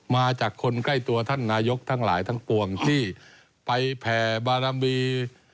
มาจากคนใกล้ตัวท่านนายกทั้งหลายทั้งปวงที่ไปแผ่บารมี